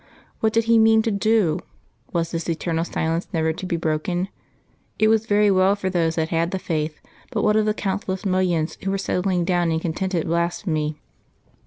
What did He mean to do? Was this eternal silence never to be broken? It was very well for those that had the Faith, but what of the countless millions who were settling down in contented blasphemy?